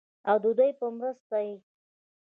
او ددوي پۀ مرسته ئې